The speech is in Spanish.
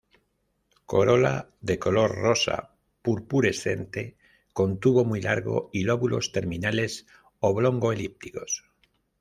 Corola de color rosa-purpurescente, con tubo muy largo y lóbulos terminales oblongo-elípticos.